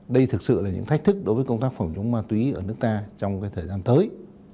đây thực sự là những thách thức đối với công tác phòng chống ma túy ở nước ta trong thời gian tới